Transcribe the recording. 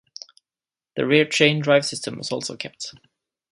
The rear chain drive system was also kept.